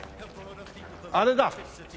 あれだ！